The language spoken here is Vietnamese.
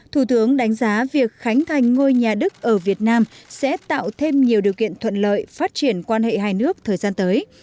thủ tướng đánh giá việc khánh thành ngôi nhà đức ở việt nam sẽ tạo thêm nhiều điều kiện thuận lợi phát triển quan hệ hai nước thời gian tới